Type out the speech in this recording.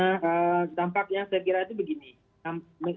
apa sebetulnya dampak dan reshuffle ini tidak dilakukan sebenarnya orang lainnya